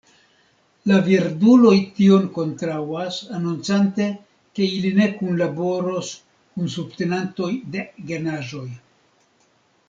La verduloj tion kontraŭas, anoncante, ke ili ne kunlaboros kun subtenantoj de genaĵoj.